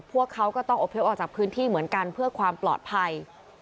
พวกเขาก็ต้องอบพยพออกจากพื้นที่เหมือนกันเพื่อความปลอดภัย